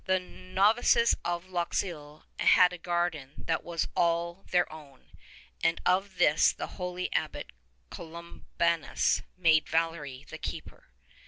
The novices of Luxeuil had a garden that was all their own, and of this the holy Abbot Columbanus made Valery 134 the keeper.